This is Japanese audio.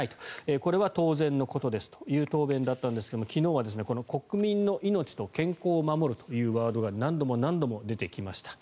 これは当然のことですという答弁だったんですけども昨日は国民の命と健康を守るというワードが何度も何度も出てきました。